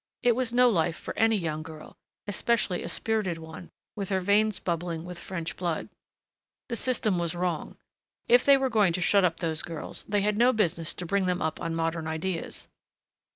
It was no life for any young girl especially a spirited one, with her veins bubbling with French blood. The system was wrong. If they were going to shut up those girls, they had no business to bring them up on modern ideas.